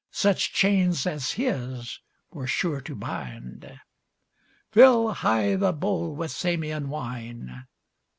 Such chains as his were sure to bind. Fill high the bowl with Samian wine!